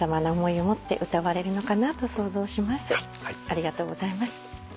ありがとうございます。